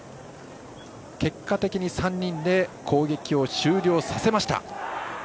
結果的に３人で攻撃を終了させました。